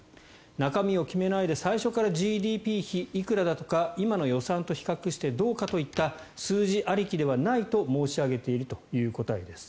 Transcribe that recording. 中身を決めないで最初からＧＤＰ比いくらだとか今の予算と比較してどうかといった数字ありきではないと申し上げているという答えです。